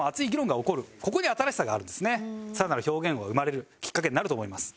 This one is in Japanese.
更なる表現が生まれるきっかけになると思います。